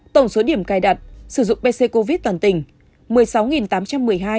tổng số điểm cài đặt sử dụng pc covid toàn tỉnh một mươi sáu tám trăm một mươi hai điểm